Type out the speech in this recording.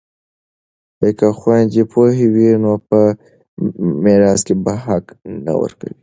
که خویندې پوهې وي نو په میراث کې به حق نه ورکوي.